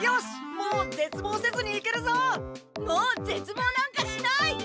もうぜつぼうなんかしない！